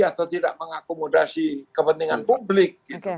atau tidak mengakomodasi kepentingan publik